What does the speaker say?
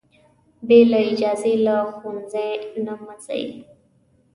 بې له اجازې له ښوونځي نه مه وځئ.